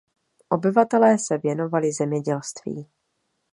Obyvatelé se věnovali zemědělství.